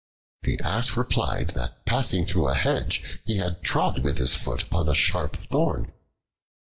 The Ass replied that passing through a hedge he had trod with his foot upon a sharp thorn.